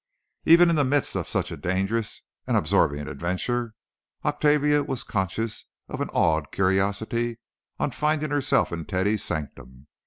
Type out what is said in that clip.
Even in the midst of such a dangerous and absorbing adventure Octavia was conscious of an awed curiosity on finding herself in Teddy's sanctum.